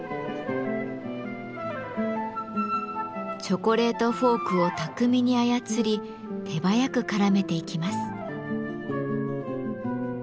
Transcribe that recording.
チョコレートフォークを巧みに操り手早くからめていきます。